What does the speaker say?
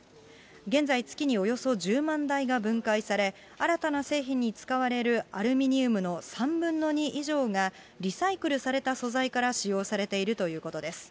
現在、月におよそ１０万台が分解され、新たな製品に使われるアルミニウムの３分の２以上が、リサイクルされた素材から使用されているということです。